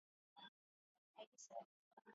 Quiciabes nun-yos apetez tar nun chozu.